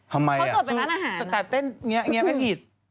เขาจดไปร้านอาหารนะ